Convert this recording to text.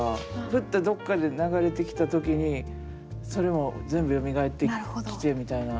フッてどっかで流れてきた時にそれも全部よみがえってきてみたいな。